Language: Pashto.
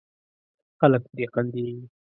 خلک پرې خندېږي.